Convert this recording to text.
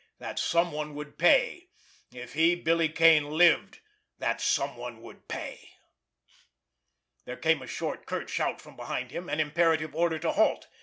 that someone would pay ... if he, Billy Kane, lived, that someone would pay! There came a short, curt shout from behind him, an imperative order to halt.